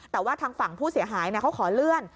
แต่ว่าทางฝั่งผู้เสียหายเขาขอเลื่อน